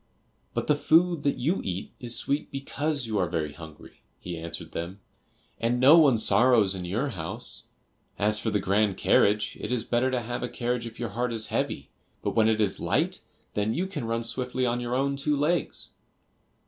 "But the food that you eat is sweet because you are very hungry," he answered them, "and no one sorrows in your house. As for the grand carriage, it is better to have a carriage if your heart is heavy, but when it is light, then you can run swiftly on your own two legs."